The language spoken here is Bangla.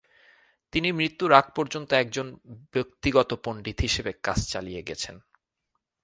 তিনি মৃত্যুর আগ পর্যন্ত একজন ব্যক্তিগত পণ্ডিত হিসেবে কাজ চালিয়ে গেছেন।